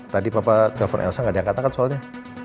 tadi papa telepon elsa nggak diangkat kan soalnya